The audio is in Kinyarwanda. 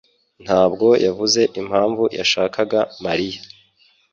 ntabwo yavuze impamvu yashakaga Mariya.